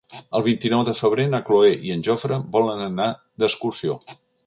El vint-i-nou de febrer na Cloè i en Jofre volen anar d'excursió.